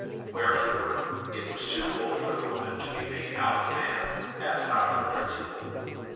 Wherefore it was suitable for the woman to be made out of man, as out of her principle.